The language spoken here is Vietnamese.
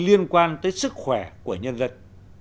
liên quan tới sức khỏe của nhân dân